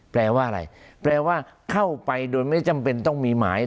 แปลว่าอะไรแปลว่าเข้าไปโดยไม่จำเป็นต้องมีหมาย